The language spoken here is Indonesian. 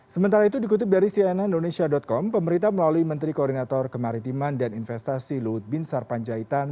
sementara itu dikutip dari cnn indonesia com pemerintah melalui menteri koordinator kemaritiman dan investasi luhut bin sarpanjaitan